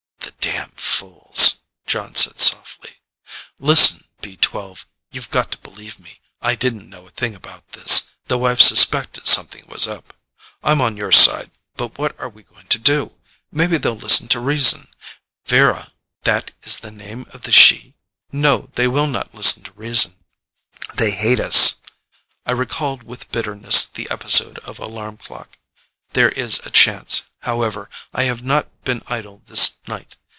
"The damn fools," Jon said softly. "Listen, B 12, you've got to believe me. I didn't know a thing about this, though I've suspected something was up. I'm on your side, but what are we going to do? Maybe they'll listen to reason. Vera " "That is the name of the she? No, they will not listen to reason. They hate us." I recalled with bitterness the episode of alarm clock. "There is a chance, however. I have not been idle this night.